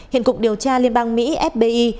hiện cục điều tra liên bang mỹ fbi